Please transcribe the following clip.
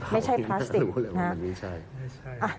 ไม่ใช่พลาสติกนะครับ